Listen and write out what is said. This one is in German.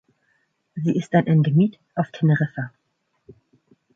Sie ist ein Endemit auf Teneriffa.